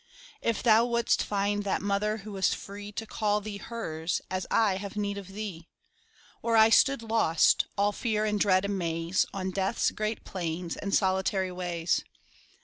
If thou wouldst find that mother who was free To call thee hers, as I have need of thee; Or I stood lost, all fear and dread amaze, On death's great plains and solitary ways!